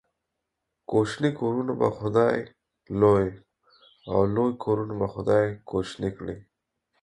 کوچني کورونه به خداى لوى ، او لوى کورونه به خداى کوچني کړي.